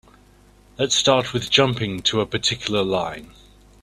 Let's start with jumping to a particular line.